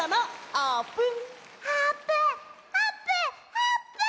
あーぷん！